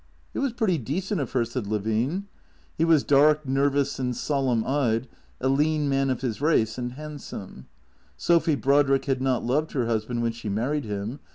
" It was pretty decent of her," said Levine. He was dark, nervous and solemn eyed, a lean man of his race, and handsome. Sophy Brodrick had not loved her husl^and when she married him.